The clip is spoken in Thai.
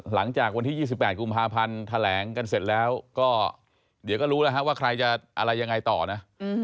หลังจากวันที่๒๘กุมภาพันธ์แถลงกันเสร็จแล้วก็เดี๋ยวก็รู้แล้วฮะว่าใครจะอะไรยังไงต่อนะ